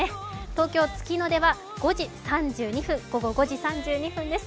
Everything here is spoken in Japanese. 東京の月の出は午後５時３２分です。